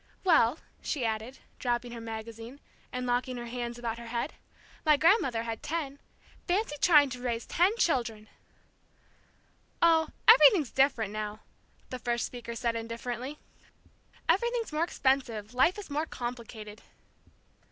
"Well," she added, dropping her magazine, and locking her hands about her head, "my grandmother had ten. Fancy trying to raise ten children!" "Oh, everything's different now," the first speaker said indifferently. "Everything's more expensive, life is more complicated.